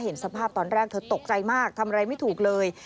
เห็นสภาพตอนแรกเธอตกใจมากทำอะไรไม่ถูกเลย